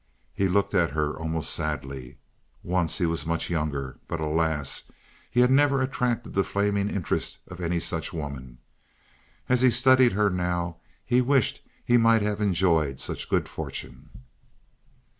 He looked at her almost sadly. Once he was much younger. But alas, he had never attracted the flaming interest of any such woman. As he studied her now he wished that he might have enjoyed such good fortune.